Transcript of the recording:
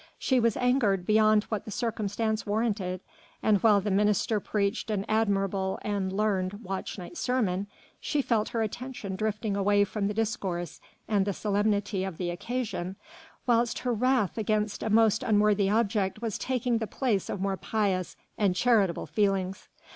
She was angered beyond what the circumstance warranted, and while the minister preached an admirable and learned watch night sermon she felt her attention drifting away from the discourse and the solemnity of the occasion, whilst her wrath against a most unworthy object was taking the place of more pious and charitable feelings.